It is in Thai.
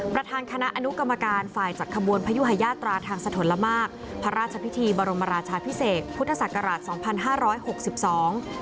ประธานคณะอนุกรรมการฝ่ายจัดขบวนพยุหายาตราทางสะทนละมากพระราชพิธีบรมราชาพิเศษพุทธศักราชสองพันห้าร้อยหกสิบสอง